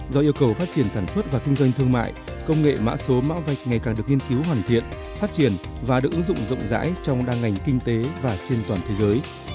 do yêu cầu phát triển sản xuất và kinh doanh thương mại công nghệ mã số mã vạch ngày càng được nghiên cứu hoàn thiện phát triển và được ứng dụng rộng rãi trong đa ngành kinh tế và trên toàn thế giới